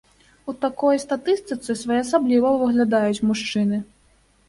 У такой статыстыцы своеасабліва выглядаюць мужчыны.